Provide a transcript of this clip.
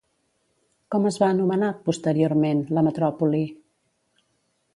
Com es va anomenar, posteriorment, la metròpoli?